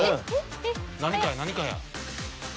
何かや何かや。